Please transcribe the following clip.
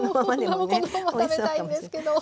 このまま食べたいんですけど。